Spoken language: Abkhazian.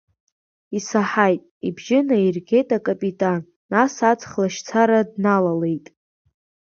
Исаҳаит, ибжьы наиргеит акапитан, нас аҵх лашьцара дналалеит.